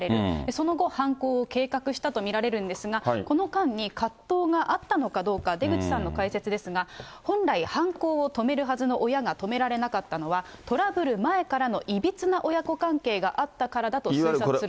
その後、犯行を計画したと見られるんですが、この間に、葛藤があったのかどうか、出口さんの解説ですが、本来、犯行を止めるはずの親が止められなかったのは、トラブル前からのいびつな親子関係があったからだと推察すると。